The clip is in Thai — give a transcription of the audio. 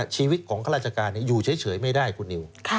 ชีวิตของข้าราชการอยู่เฉยไม่ได้คุณนิว